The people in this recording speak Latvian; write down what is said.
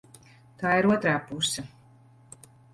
Tā ir otrā puse.